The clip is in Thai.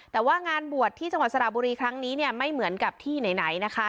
แต่ว่างานบวชที่จังหวัดสระบุรีครั้งนี้เนี่ยไม่เหมือนกับที่ไหนนะคะ